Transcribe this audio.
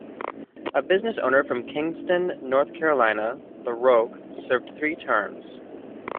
A business owner from Kinston, North Carolina, LaRoque served three terms.